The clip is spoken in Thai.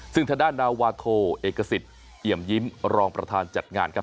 สิ่งธดานาวาโทเอกสิตเยี่ยมยิ้มรองประธานจัดงานครับ